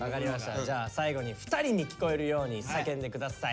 じゃあ最後に２人に聞こえるように叫んでください。